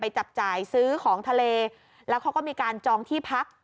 จับจ่ายซื้อของทะเลแล้วเขาก็มีการจองที่พัก